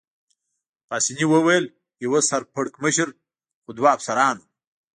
پاسیني وویل: یوه سر پړکمشر مشر خو دوه افسران وو.